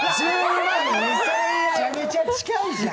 めちゃめちゃ近いじゃん。